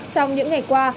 trong những ngày qua